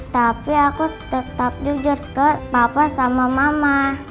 tapi aku tetap jujur ke papa sama mama